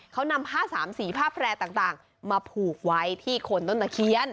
เขานำผ้าสามสีผ้าแพร่ต่างมาผูกไว้ที่โคนต้นตะเคียน